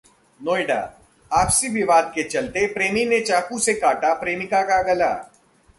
नोएडा: आपसी विवाद के चलते प्रेमी ने चाकू से काटा प्रेमिका का गला